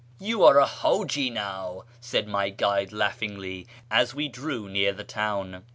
"You are a H;iji now," said my guide laughingly, as we drew near the town.